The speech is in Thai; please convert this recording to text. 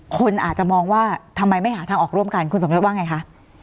คนอาจจะมองว่าทำไมไม่หาทางออกร่วมกันคุณสมยศว่าไงคะ